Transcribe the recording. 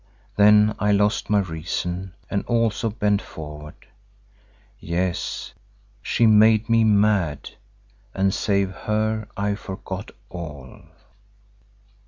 Then I lost my reason and also bent forward. Yes, she made me mad, and, save her, I forgot all.